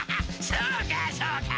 そうかそうか！